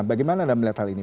bagaimana anda melihat hal ini